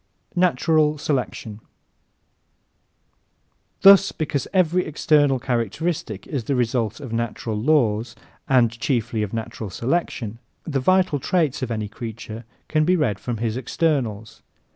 Natural Selection ¶ Thus, because every external characteristic is the result of natural laws, and chiefly of natural selection, the vital traits of any creature can be read from his externals.